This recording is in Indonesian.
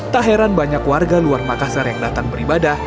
tak heran banyak warga luar makassar yang datang beribadah